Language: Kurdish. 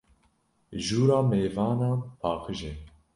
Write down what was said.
Jûra mêvanan paqij e.